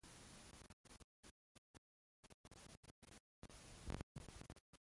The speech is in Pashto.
تاسو په موبایل کې د خپلو لګښتونو ګراف لیدلی شئ.